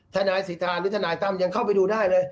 ทนายสิทธาหรือทนายตั้มยังเข้าไปดูได้เลย